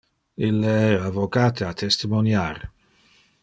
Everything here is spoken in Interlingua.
Ille era vocate a testimoniar.